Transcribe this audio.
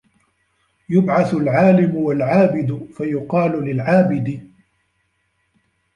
يُبْعَثُ الْعَالِمُ وَالْعَابِدُ فَيُقَالُ لِلْعَابِدِ